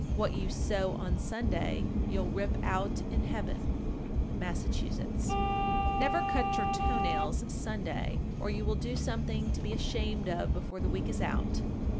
What you sew on Sunday, you'll rip out in heaven. Massachusetts. 1436. Never cut your toe nails Sunday, or you will do something to be ashamed of before the week is out.